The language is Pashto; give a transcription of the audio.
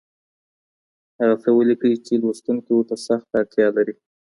هغه څه ولیکئ چي لوستونکي ورته سخته اړتیا لري.